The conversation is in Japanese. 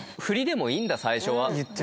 フリでもいいんだ最初は。